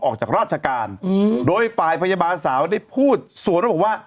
ออกจากราชการโดยฝ่ายพยาบาลสาวได้พูดสวนแล้วบอกว่า